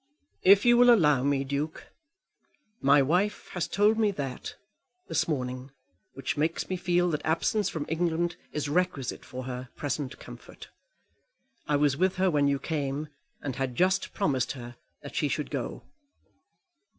"If you will allow me, Duke. My wife has told me that, this morning, which makes me feel that absence from England is requisite for her present comfort. I was with her when you came, and had just promised her that she should go."